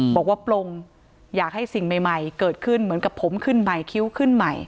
ปลงอยากให้สิ่งใหม่เกิดขึ้นเหมือนกับผมขึ้นใหม่คิ้วขึ้นใหม่